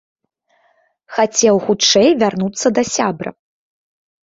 Хацеў хутчэй вярнуцца да сябра.